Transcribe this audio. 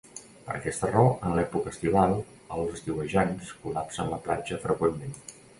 Per aquesta raó, en l'època estival, els estiuejants col·lapsen la platja freqüentment.